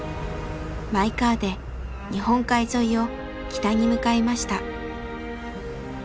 マイカーで日本海沿いを北に向かいました。